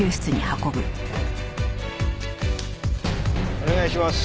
お願いします。